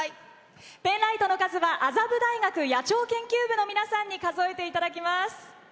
ペンライトの数は麻布大学野鳥研究部の皆さんに数えていただきます！